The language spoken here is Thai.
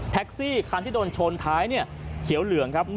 แท็กซี่คันที่โดนชนท้ายเนี่ยเขียวเหลืองครับ